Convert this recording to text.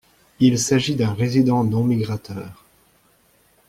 Il s'agit d'un résident non-migrateur.